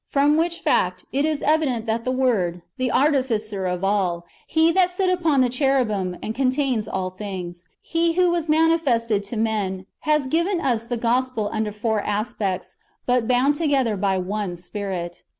From which fact, it is evident that the Word, the Artificer of all. He that sitteth upon the cherubim, and contains all things. He who was manifested to men, has given us the gospel under four aspects, but bound together by one Spirit.